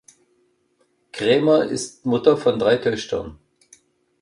Kraemer ist Mutter von drei Töchtern.